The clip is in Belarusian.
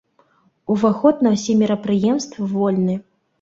Уваход на ўсе мерапрыемствы вольны.